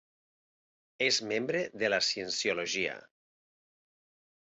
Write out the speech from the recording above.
És membre de la cienciologia.